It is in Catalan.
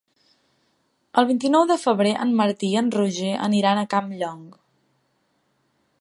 El vint-i-nou de febrer en Martí i en Roger aniran a Campllong.